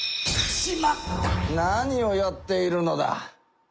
何をやっているのだ。